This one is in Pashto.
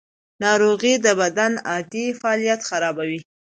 ناروغي د بدن عادي فعالیت خرابوي.